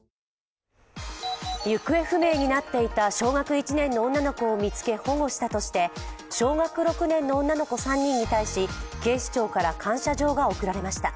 行方不明になっていた小学１年の女の子を見つけ保護したとして小学６年の女の子３人に対し警視庁から感謝状が贈られました。